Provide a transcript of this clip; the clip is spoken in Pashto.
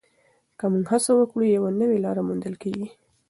که موږ هڅه وکړو، یوه نوې لاره موندل کېږي.